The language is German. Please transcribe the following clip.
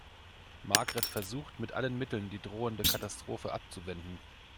Margret versucht mit allen Mitteln, die drohende Katastrophe abzuwenden.